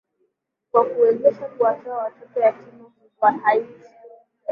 kwa kuwezesha kuwatoa watoto yatima wa haiti